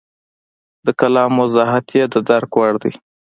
د کلام وضاحت یې د درک وړ دی.